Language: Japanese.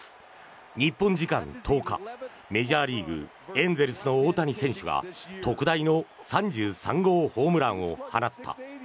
日本時間１０日、メジャーリーグエンゼルスの大谷翔平選手が特大の３３号ホームランを放った。